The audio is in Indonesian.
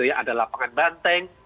ada lapangan banteng